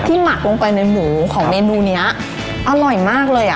หมักลงไปในหมูของเมนูเนี้ยอร่อยมากเลยอ่ะ